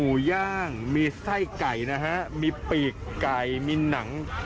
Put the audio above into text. อุ๋อวิไฮะ